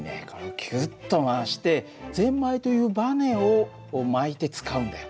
キュッと回してぜんまいというバネを巻いて使うんだよ。